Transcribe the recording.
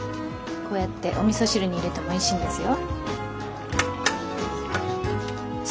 こうやっておみそ汁に入れてもおいしいんですよ。